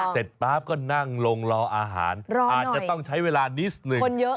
เสร็จป้าบก็นั่งลองรออาหารอาจจะต้องใช้เวลานิสนึง